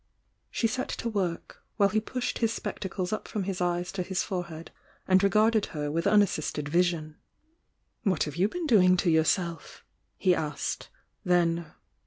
She set to work, while he pushed his spectacles up from his eyes to his forehead and regarded her with unassisted vision. "What have you been doing to yourself?" he asked, then.